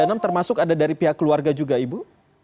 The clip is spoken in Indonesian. ada enam termasuk ada dari pihak keluarga juga ibu